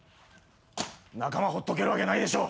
仲間ほっとけるわけないでしょ。